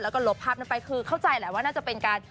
แล้วก็ลบภาพนั้นไปคือเข้าใจแหละว่าน่าจะเป็นการ